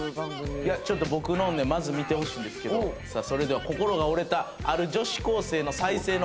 ちょっと僕のをね、まず見てほしいんですけど、さあ、それでは心が折れた、俺か、これ。